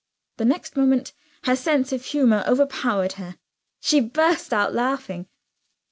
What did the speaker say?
The next moment, her sense of humor overpowered her. She burst out laughing.